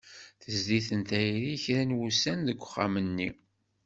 Tezdi-ten tayri kra n wussan deg uxxam-nni.